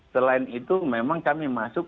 selain itu memang kami masuk